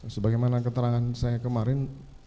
sebagaimana keterangan saya kemarin